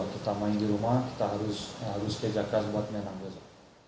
kita main di rumah kita harus keja keras buat mainan beza